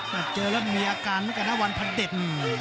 แต่เจอแล้วมีอาการเหมือนกันนะวันพระเด็จ